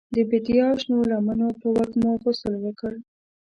د بیدیا شنو لمنو په وږمو غسل وکړ